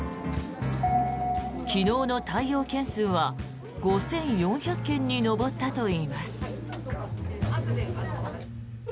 昨日の対応件数は５４００件に上ったといいます。